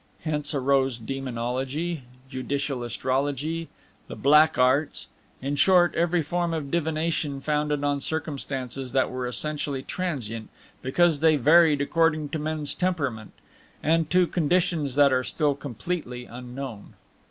Hence arose demonology, judicial astrology, the black arts, in short, every form of divination founded on circumstances that were essentially transient, because they varied according to men's temperament, and to conditions that are still completely unknown.